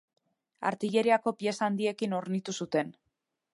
Artilleriako pieza handiekin hornitu zuten.